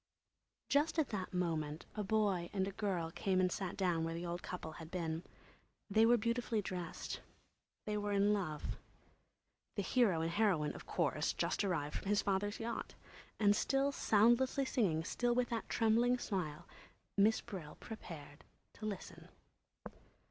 Just at that moment a boy and girl came and sat down where the old couple had been. They were beautifully dressed; they were in love. The hero and heroine, of course, just arrived from his father's yacht. And still soundlessly singing, still with that trembling smile, Miss Brill prepared to listen.